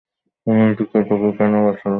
এই মেয়েটি তোকে কেন বাঁচালো?